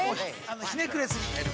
ひねくれすぎ。